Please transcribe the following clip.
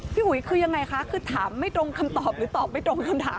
อุ๋ยคือยังไงคะคือถามไม่ตรงคำตอบหรือตอบไม่ตรงคำถาม